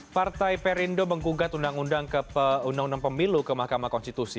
partai perindo menggugat undang undang pemilu ke mahkamah konstitusi